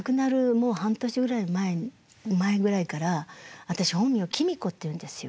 もう半年前ぐらいから私本名きみこっていうんですよ。